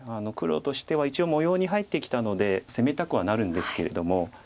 黒としては一応模様に入ってきたので攻めたくはなるんですけれども。